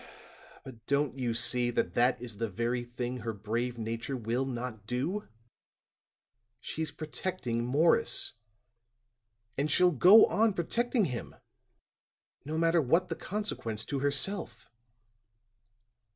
"But don't you see that that is the very thing that her brave nature will not do? She's protecting Morris; and she'll go on protecting him, no matter what the consequence to herself."